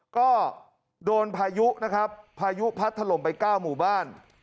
ก็โดนพายุนะครับพายุพัดถล่มไป๙หมู่บ้าน